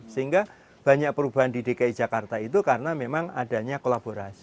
sehingga banyak perubahan di dki jakarta itu karena memang adanya kolaborasi